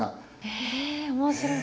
え面白い。